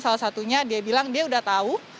salah satunya dia bilang dia udah tahu